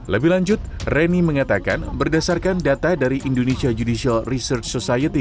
lebih lanjut reni mengatakan berdasarkan data dari indonesia judicial research society